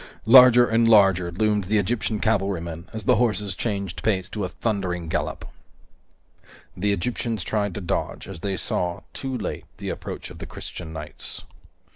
Larger and larger loomed the Egyptian cavalrymen as the horses changed pace to a thundering gallop. The Egyptians tried to dodge, as they saw, too late, the approach of the Christian knights.